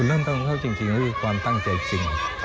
ถนนต้องเข้าจริงถือความตั้งใจจริง